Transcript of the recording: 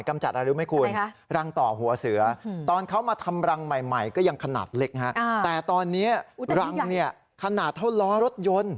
จัดอะไรรู้ไหมคุณรังต่อหัวเสือตอนเขามาทำรังใหม่ก็ยังขนาดเล็กฮะแต่ตอนนี้รังเนี่ยขนาดเท่าล้อรถยนต์